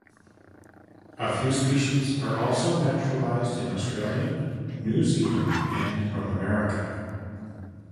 A few species are also naturalized in Australia, New Zealand and North America.